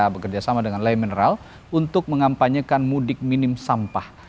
bekerjasama dengan lay mineral untuk mengampanyekan mudik minim sampah